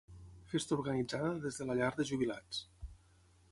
Festa organitzada des de la Llar de Jubilats.